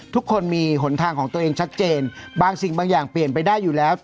ทุกคนมีหนทางของตัวเองชัดเจนบางสิ่งบางอย่างเปลี่ยนไปได้อยู่แล้ว